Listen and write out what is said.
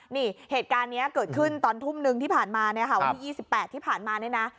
นี่เหตุการณ์นี้เกิดขึ้นตอนทุ่มนึงที่ผ่านมาเนี่ยค่ะวันที่๒๘ที่ผ่านมาเนี่ยนะ